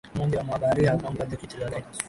mmoja wa mabaharia akampa jaketi lake